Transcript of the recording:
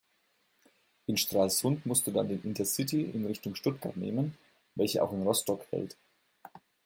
In Stralsund musst du dann den Intercity in Richtung Stuttgart nehmen, welcher auch in Rostock hält.